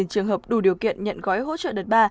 bốn mươi ba trường hợp đủ điều kiện nhận gói hỗ trợ đợt ba